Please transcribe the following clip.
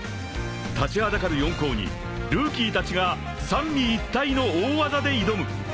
［立ちはだかる四皇にルーキーたちが三位一体の大技で挑む］